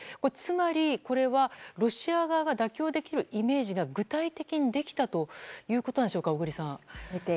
つまりこれはロシア側が妥協できるイメージが具体的にできたということなんでしょうか小栗さん。